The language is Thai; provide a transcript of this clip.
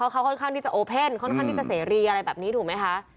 เขาค่อนข้างที่จะโอเพ่นค่อนข้างที่จะเสรีอะไรแบบนี้ถูกไหมคะ